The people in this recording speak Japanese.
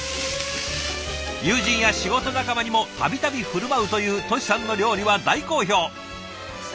友人や仕事仲間にも度々振る舞うというトシさんの料理は大好評。